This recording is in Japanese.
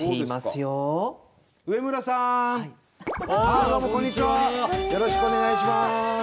よろしくお願いします。